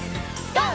ＧＯ！